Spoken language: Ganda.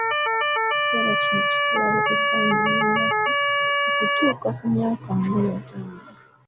Ekiseera kino kitwala ebbanga eriwerako okutuuka ku myaka nga attano.